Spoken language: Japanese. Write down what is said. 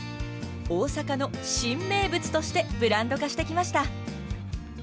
大阪の新名物としてブランド化してきました。